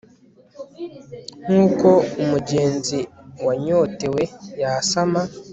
nk'uko umugenzi wanyotewe yasama